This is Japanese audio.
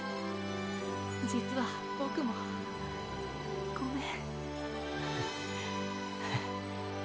実はボクもごめん。